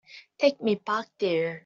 Take me back there.